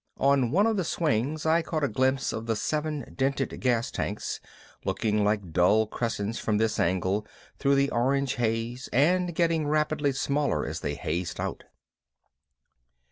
On one of the swings I caught a glimpse of the seven dented gas tanks, looking like dull crescents from this angle through the orange haze and getting rapidly smaller as they hazed out.